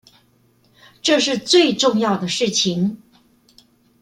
這是最重要的事情